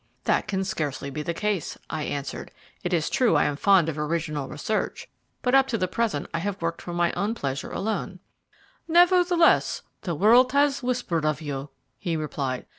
"That can scarcely be the case," I answered. "It is true I am fond of original research, but up to the present I have worked for my own pleasure alone." "Nevertheless, the world has whispered of you," he replied.